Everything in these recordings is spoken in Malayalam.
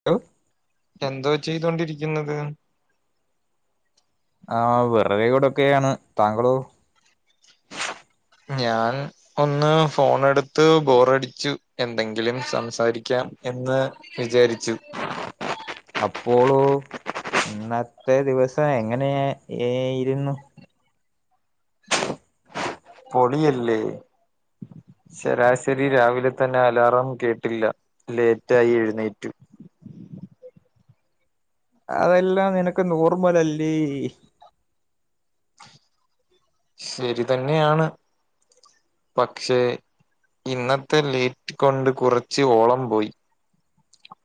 [unintelligible] എന്തുവാ ചെയ്തോണ്ടിരിക്കുന്നത് ആ വെറുതേ കൊടെക്കെയാണ് താങ്കളോ? ഞാൻ ഒന്ന് ഫോണെടുത്ത് ബോറടിച്ചു എന്തെങ്കിലും സംസാരിക്കാം എന്ന് വിചാരിച്ചു [inaudible] അപ്പോളോ ഇന്നത്തെ ദിവസം എങ്ങനെയ യേയിരുന്നു പൊളിയല്ലേ. ശരാശെരി രാവിലെതന്നെ അലാറം കേട്ടില്ല. ലേയ്റ്റായി എഴുന്നേറ്റു. അതെല്ലാം നിനക്ക് നോർമലെല്ലേ. ശെരിതന്നെ ആണ് പക്ഷേ. ഇന്നത്തെ ലേയ്റ്റ് കൊണ്ട് കുറച്ച് ഓളം പോയി.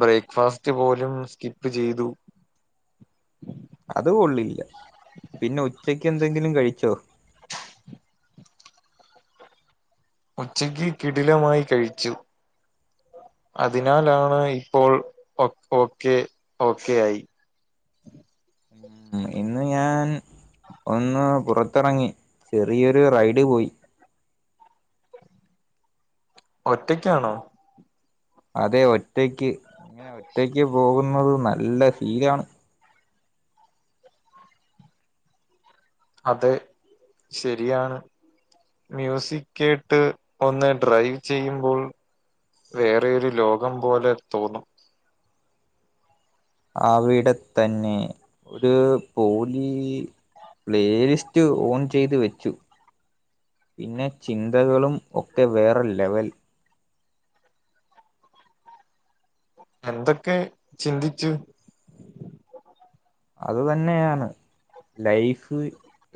ബ്രേക്ക്ഫാസ്റ്റ് പോലും സ്കിപ്പ് ചെയ്തു. അത് കൊള്ളില്ല. പിന്നെ ഉച്ചക്കെന്തെങ്കിലും കഴിച്ചോ. ഉച്ചക്ക് കിടിലമായി കഴിച്ചു. അതിനാലാണ് ഇപ്പോൾ ഒ ഓക്കെ ഓക്കെ ആയി. ഉം. ഇന്ന് ഞാൻ. ഒന്ന് പുറത്ത് ഇറങ്ങി. ചെറിയൊരു റൈഡ് പോയി. ഒറ്റയ്ക്കാണൊ. അതെ ഒറ്റക്ക്. ഇങ്ങനെ ഒറ്റയ്ക്ക് പോകുന്നത് നല്ല ഫീലാണ്. അതെ ശെരിയാണ്. മ്യൂസിക്കേട്ട് ഒന്ന് ഡ്രൈവ് ചെയ്യുമ്പോൾ. വേറെ ഒരു ലോകം പോലെ തോന്നും. അവിടെത്തന്നെ ഒരു പോലീ പ്ലേ ലിസ്റ്റ് ഓൺ ചെയ്ത് വെച്ചു. പിന്നെ ചിന്തകളും ഒക്കെ വേറെ ലെവൽ. എന്തൊക്കെ ചിന്തിച്ചു. അത് തന്നെയാണ്. ലൈഫ്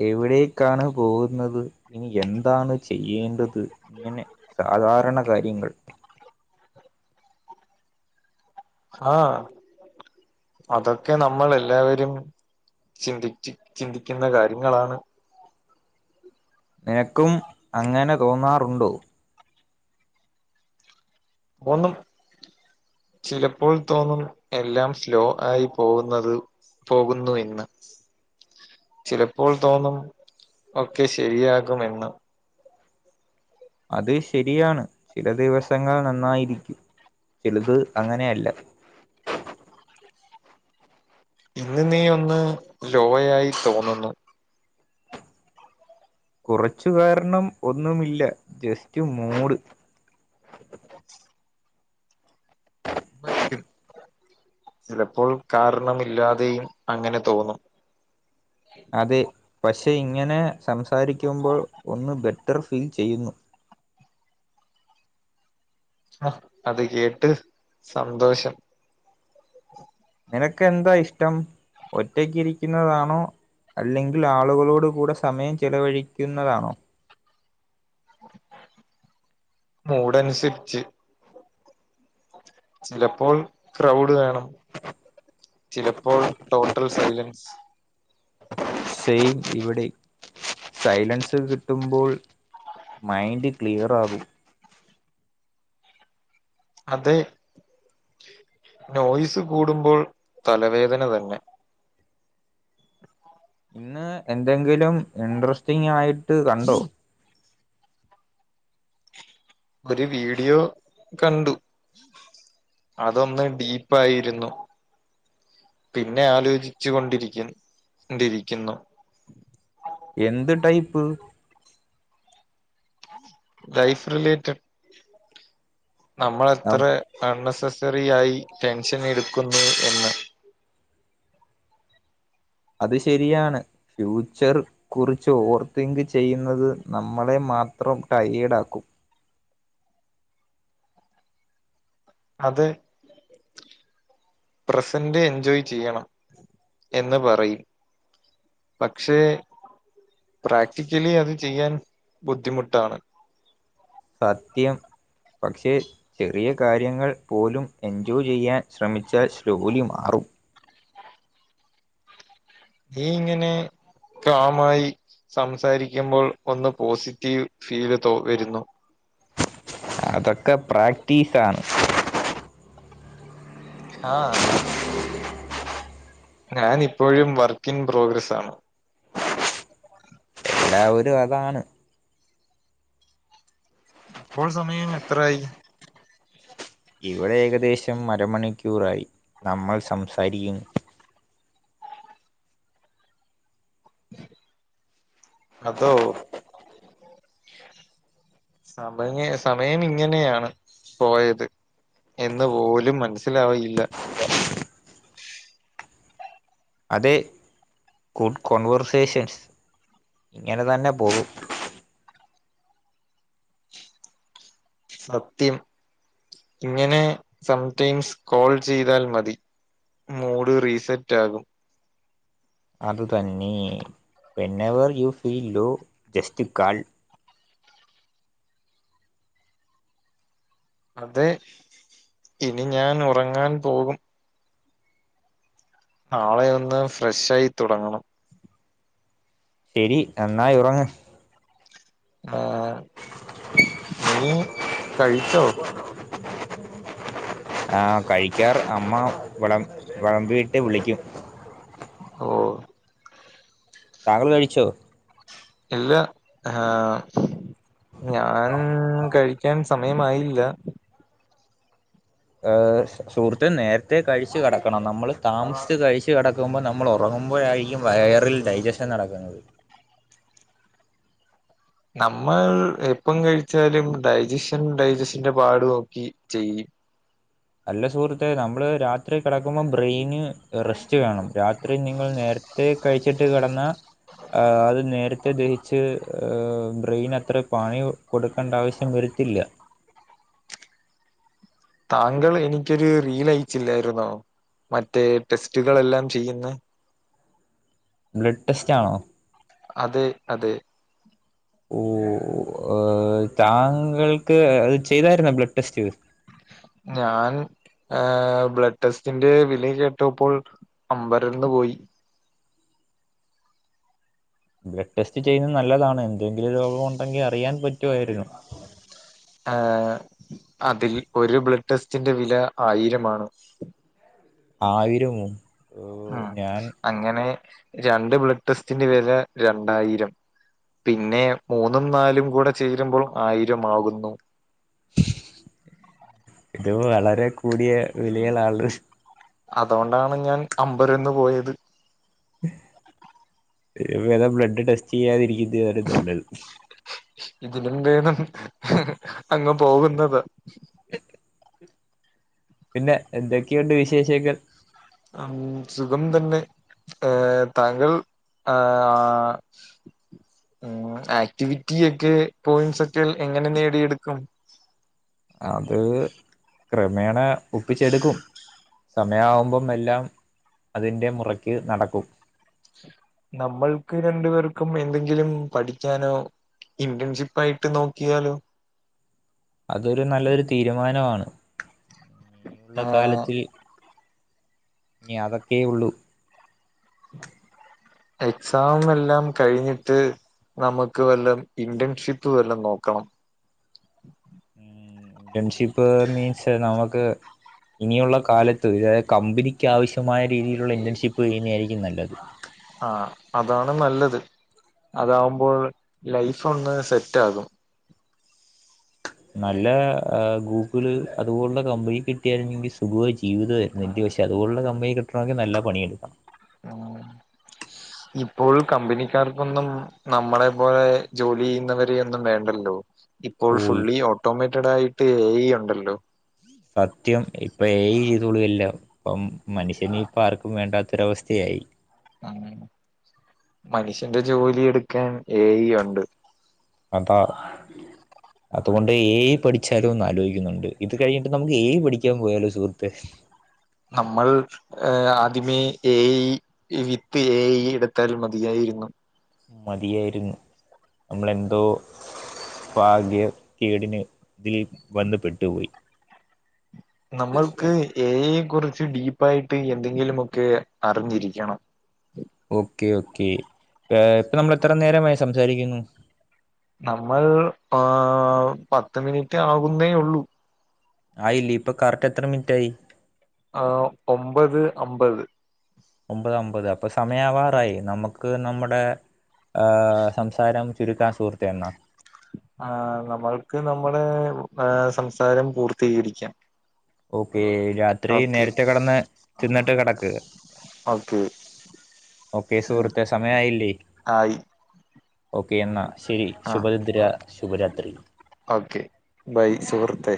എവിടേക്കാണ് പോകുന്നത്. ഇനി എന്താണ് ചെയ്യേണ്ടത്. ഇങ്ങനെ സാധാരണ കാര്യങ്ങൾ. ആഹ് അതൊക്കെ നമ്മളെല്ലാവരും. ചിന്തിച്ച് ചിന്തിക്കെണ്ട കാര്യങ്ങളാണ്. നിനക്കും അങ്ങനെ തോന്നാറുണ്ടോ. തോന്നും. ചിലപ്പോൾ തോന്നും. എല്ലാം സ്ലോ ആയി പോവുന്നത്. പോവുന്നു എന്ന്. ചിലപ്പോൾ തോന്നും ഒക്കെ ശരിയാകുമെന്ന്. അത് ശകരിയാണ്. ചില ദീവസങ്ങൾ നന്നായിരിക്കും ചിലത് അങ്ങനെ അല്ല. ഇന്ന് നീ ഒന്ന് ലോയായി തോന്നുന്നു. കുറച്ചു കാര്ണം ഒന്നുമില്ല ജസ്റ്റ് മൂഡ്. ചിലപ്പോൾ കാരണമില്ലാതെയും അങ്ങനെ തോന്നും അതെ പക്ഷെ ഇങ്ങനെ സംസാരിക്കുമ്പോൾ ഒന്ന് ബെറ്റർ ഫീൽ ചെയ്യുന്നു. അഹ്. അത് കേട്ട് സന്തോഷം. നിനക്ക് എന്താ ഇഷ്ടം. ഒറ്റക്ക് ഇരിക്കുന്നതാണൊ. അല്ലെങ്കിൽ ആളുകളോട് കൂടെ സമയം ചെലവഴിക്കുന്നതാണോ. മൂടനുസരിച്ച് ചിലപ്പോൾ ക്രൗഡ് വേണം. ചിലപ്പോൾ ടോട്ടൽ സൈലൻസ്. സെയിം ഇവിടിം. സൈലൻസൊക്കെ കിട്ടുമ്പോൾ. മൈൻഡ് ക്ലിയർ ആകും. അതെ. നോയ്സ് കൂടുമ്പോൾ തലവേദന തന്നെ ഇന്ന് എന്തെങ്കിലും ഇൻട്രസ്റ്റിംഗ് ആയിട്ട് കണ്ടൊ. ഒരു വീഡിയോ കണ്ടു. അതൊന്ന് ഡീപ്പായിരുന്നു. പിന്നെ ആലോചിച്ചു കൊണ്ടിരിക്കും ണ്ടിരിക്കുന്നു. എന്ത് ടൈപ്പ്? ലൈഫ് റിലേറ്റഡ് നമ്മളെത്രെ അൺനെസസറി ആയി ടെൻഷനെടുക്കുന്നു എന്ന് അത് ശരിയാണ് ഫ്യൂച്ചർ കുറിച്ച് ഓർ തിങ്ക് ചെയ്യുന്നത് നമ്മളെ മാത്രം ടയേഡാക്കും. അതെ പ്രസന്റ് എൻജോയ് ചെയ്യണം എന്ന് പറയും. പക്ഷേ, പ്രാക്ടിക്കലി അത് ചെയ്യാൻ ബുദ്ധിമുട്ടാണ്. സത്യം പക്ഷേ, ചെറിയ കാര്യങ്ങൾ പോലും എൻജോയ് ചെയ്യാൻ ശ്രമിച്ചാൽ സ് ലോലി മാറും. ഈ ഇങ്ങനെ കാമായി സംസാരിക്കുമ്പോൾ ഒന്ന് പോസിറ്റീവ് ഫീല് തോ വരുന്നു. അതൊക്കെ പ്രാക്ടിസാണ് ആഹ് ഞാനിപ്പോഴും വർക്കിൻ പ്രോഗ്രസ്സാണ്. ല്ലാവരു അതാണ് ഇപ്പോൾ സമയം എത്രായി? ഇവിടെ ഏകദേശം അരമണിക്കൂറായി നമ്മൾ സംസാരിക്കുന്ന്. അതോ [inaudible] സമയ സമയമിങ്ങനെയാണ് പോയത്. എന്ന് പോലും മനസ്സിലാവയില്ല. അതെ ഗുഡ് കോൺവെർസേഷൻസ് ഇങ്ങനെ തന്നെ പോകും. സത്യം ഇങ്ങനെ സം ടൈംസ് കോൾ ചെയ്താൽ മതി. മൂഡ് റീസെറ്റാകും. അത് തന്നെ whenever you feel low just call അതെ ഇനി ഞാനുറങ്ങാൻ പോകും. നാളെയൊന്ന് ഫ്രഷായി തുടങ്ങണം. ശരി നന്നായുറങ്ങ് ആഹ് നീ കഴിച്ചോ? ആഹ് കഴിക്കാർ അമ്മ വിളം വെളമ്പീട്ട് വിളിക്കും. ഓഹ് താങ്കള് കഴിച്ചോ? ഇല്ല അഹാ ഞാന് കഴിക്കാൻ സ് സമയമായീല്ല. ഏഹ് സ് സുഹൃത്തെ നേരത്തെ കഴിച്ച് കെടക്കണം നമ്മള് താമസിച്ച് കഴിച്ച് കെടക് ക്കുമ്പോ നമ്മളു റങ്ങുമ്പോഴാരിക്കും വയറിൽ ഡൈജഷൻ നടക്കുന്നത്. നമ്മൾ എപ്പം കഴിച്ചാലും ഡൈജഷൻ ഡൈജഷന്റെ പാട് നോക്കി ചെയ്യും. അല്ല സുഹൃത്തെ നമ്മള് രാത്രി കെടക്കുമ്പം ബ്രെയ്ന് റെസ്റ്റ് വേണം രാത്രി നിങ്ങൾ നേരത്തെ കഴിച്ചിട്ട് കെടന്നാ ആഹ് അത് നേര ത്തെ ദെഹിച്ച് ഏഹ് ബ്രെയിനത്ര പണി കൊടുക്കണ്ട ആവശ്യം വരത്തില്ല. താങ്കൾ എനിക്കൊരു റീല യച്ചില്ലാരുന്നോ മറ്റേ ടെസ്റ്റുകളെല്ലാം ചെയ്യുന്ന ബ്ലഡ് ടെസ്റ്റാണോ? അതെ അതെ. ഓഹ് ആഹ് താങ്കൾക്ക് അത് ചെയ്താരുന്നോ ബ്ലഡ് ടെസ്റ്റ് ഞാൻ ഏഹ് ബ്ലഡ് ടെസ്റ്റിന്റെ വില കേട്ടപ്പോൾ അമ്പരന്ന് പോയി ബ്ലഡ് ടെസ്റ്റ് ചെയ്യുന്നത് നല്ലതാണ് എന്തെങ്കിലും രോഗമുണ്ടെങ്കിൽ അറിയാൻ പറ്റുവാരുന്നു ആഹ് അതിൽ ഒരു ബ്ലഡ് ടെസ്റ്റിന്റെ വില ആയിരമാണ് ആയിരമോ ഓ ഉം ഞാൻ അങ്ങനെ രണ്ട് ബ്ലഡ് ടെസ്റ്റിന്റെ വില രണ്ടായിരം പിന്നെ മൂന്നും നാലും കൂടെ ചേരുമ്പോൾ ആയിരമാകുന്നു ഇത് വളരെ കൂടിയ വിലയളളാള് അതുകൊണ്ടാണ് ഞാൻ അമ്പരന്ന് പോയത് ഇതിലും ഭേദം ബ്ലഡ് ടെസ്റ്റ് ചെയ്യാതിരിക്കുന്നതാണ് നല്ലത് ഇതിലും ഭേദം അങ്ങ് പോകുന്നതാ [unintelligible] പിന്നെ എന്തൊക്കെയുണ്ട് വിശേഷങ്ങൾ ഉം സുഖം തന്നെ ഏഹ് താങ്കൾ ആഹ് ഉം ആക്ടിവിറ്റി ഒക്കെ പോയിൻസെറ്റിൽ എങ്ങനെ നേടിയെടുക്കും അത് ക്രമേണ ഒപ്പിച്ചെടുക്കും സമയവുമ്പം എല്ലാം അതിൻ്റെ മുറയ്ക്ക് നടക്കും നമ്മൾക്ക് രണ്ടു പേർക്കും എന്തെങ്കിലും പഠിക്കാനോ ഇന്റേൺഷിപ്പായിട്ട് നോക്കിയാലോ അതൊരു നല്ലൊരു തീരുമാനമാണ് ഇനിയുള്ള ആഹ് കാലത്തിൽ ഇനി അതെക്കെ ഉള്ളൂ എക്സാം എല്ലാം കഴിഞ്ഞിട്ട് നമുക്ക് വല്ലം ഇന്റേൺഷിപ്പ് വല്ലം നോക്കണം ഇന്റെൺഷിപ്പ് മീൻസ് നമുക്ക് ഇനിയുള്ള കാലത്ത് ഇതായത് കമ്പനിക്ക് ആവശ്യമായ രീതിയിലുള്ള ഇന്റേൺഷിപ്പ് ചെയ്യുന്നയാരിക്കും നല്ലത് ആഹ് അതാണ് നല്ലത് അതാകുമ്പോൾ ലൈഫ് ഒന്ന് സെറ്റാകും നല്ല ആഹ് ഗൂഗിള് അതുപോലുള്ള കമ്പനി കിട്ടിയാര്ന്നെങ്കി സുഖവായ ജീവിതായേനെ നിന്റ് പക്ഷെ അത്പോലുള്ള കമ്പനി കിട്ടണമെങ്കി നല്ല പണിയെട്ക്കണം ഉം ഇപ്പോൾ കമ്പനിക്കാർക്കൊന്നും നമ്മളെ പോലെ ജോലി ചെയ്യുന്നവരെയൊന്നും വേണ്ടല്ലോ ഇപ്പോൾ ഓ ഫുള്ളി ഓട്ടോമേറ്റഡായിട്ട് എ ഇ ഉണ്ടല്ലോ സത്യം ഇപ്പൊ ഏ ഈ ചെയ്തോളും എല്ലാം ഇപ്പം മനുഷ്യനെ ഇപ്പം ആർക്കും വേണ്ടാത്തൊരവസ്ഥയായി ഉ മനുഷ്യന്റെ ജോലി എടുക്കാൻ ഏ യി ഉണ്ട്. അപ്പാ അതുകൊണ്ട് എ യി പഠിച്ചാലും ഒന്ന് ആലോചിക്കുന്നുണ്ട് ഇത് കഴിഞ്ഞിട്ട് നമുക്ക് ഏ യി പഠിക്കാൻ പോയാലോ സുഹൃത്തെ, നമ്മൾ ഏ ആദ്യമേ എ വിത്ത് എ എടുത്താൽ മതിയായിരുന്നു. മതിയായിരുന്നു നമ്മളെന്തോ ഭാഗ്യ കേടിന് ഇതിൽ വന്ന്പ്പെട്ടുപോയി. നമ്മൾക്ക് എയെ കുറിച്ച് ഡീപ്പ ആയിട്ട് എന്തെങ്കിലുമൊക്കെ അറിഞ്ഞിരിക്കണം. ഓക്കെ ഓക്കെ ഇപ്പൊ നമ്മൾ എത്ര നേരമായി സംസാരിക്കുന്നു. നമ്മൾ ആഹ് പത്ത് മിനിറ്റ് ആകുന്നേ ഉള്ളൂ. ആയില്ലേ ഇപ്പൊ കറക്റ്റ് എത്ര മിനിറ്റ് ആയി. ആഹ് ഒമ്പത് അമ്പത് ഒമ്പത് അമ്പത് അപ്പൊ സമയമാവാറായി നമുക്ക് നമ്മുടെ ആഹ് സംസാരം ചുരുക്കാൻ സുഹൃത്തേ എന്നാ ആഹ് നമ്മൾക്ക് നമ്മുടെ സംസാരം പൂർത്തീകരിക്കാം. ഓക്കേ രാത്രി ഓക്കെ നേരത്തെ കിടന്ന് തിന്നിട്ട് കിടക്ക്. ഓക്കെ ഓക്കെ സുഹൃത്തെ സമയായില്ലേ. ആയി ഓക്കെ എന്നാൽ ശരി ആ ശുഭ നിദ്ര ശുഭരാത്രി. ഓക്കെ ബൈ സുഹൃത്തെ,